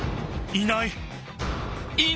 いない！